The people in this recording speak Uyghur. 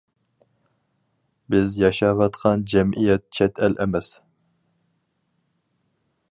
بىز ياشاۋاتقان جەمئىيەت چەت ئەل ئەمەس.